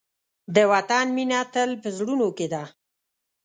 د وطن مینه تل په زړونو کې ده.